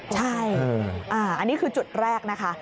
ใช่อันนี้คือจุดแรกนะคะ